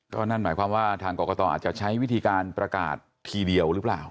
ก็นั่นหมายความว่าทางกรกตอาจจะใช้วิธีการประกาศทีเดียวหรือเปล่า